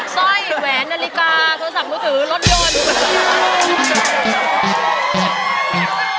สร้อยแหวนนาฬิกาโทรศัพท์มือถือรถยนต์